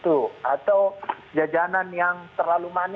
tidak bisa ada jajanan yang terlalu manis